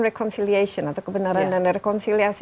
reconciliation atau kebenaran dan rekonsiliasi